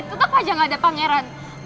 tetap aja gak ada pangeran